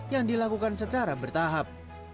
yang dilakukan secara bertahap